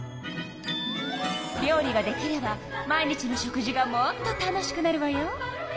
料理ができれば毎日の食事がもっと楽しくなるわよ。